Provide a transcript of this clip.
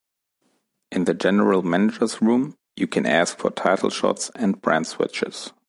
In the General Manager's room, you can ask for title shots and brand switches.